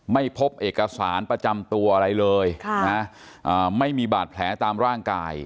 ไม่พบเอกสารประจำตัวอะไรเลยไม่มีบาดแผลตามร่างกาย